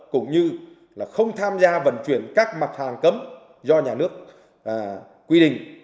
cũng như không tham gia vận chuyển các mặt hàng cấm do nhà nước quy định